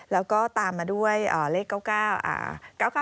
แล้วก็ตามมาด้วยเลข๙๙๙๙